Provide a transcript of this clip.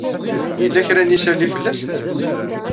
Yella kra n yisali fell-as?